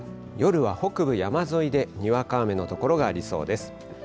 夜は北部山沿いでにわか雨の所がありそうです。